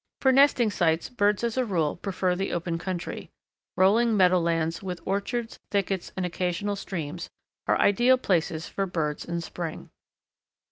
For nesting sites birds as a rule prefer the open country. Rolling meadowlands, with orchards, thickets, and occasional streams, are ideal places for birds in spring.